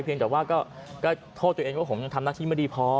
แต่ว่าก็โทษตัวเองว่าผมยังทำหน้าที่ไม่ดีพอ